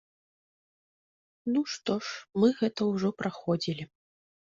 Ну што ж, мы гэта ўжо праходзілі.